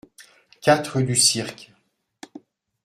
quatre rue du Cirque